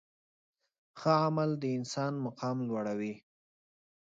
ښه عمل د انسان مقام لوړوي.